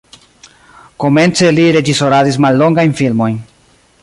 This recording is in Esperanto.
Komence li reĝisoradis mallongajn filmojn.